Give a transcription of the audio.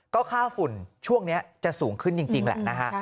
ก็ค่าฝุ่นช่วงนี้จะสูงขึ้นจริงแหละนะฮะ